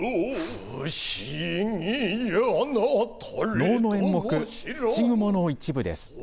能の演目、土蜘蛛の一部です。